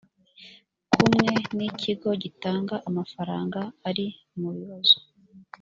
kumwe n’ ikigo gitanga amafaranga ari mu bibazo.